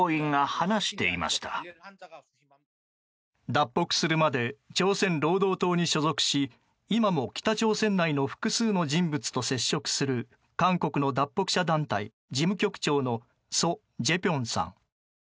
脱北するまで朝鮮労働党に所属し今も北朝鮮内の複数の人物と接触する韓国の脱北者団体事務局長のソ・ジェピョンさん。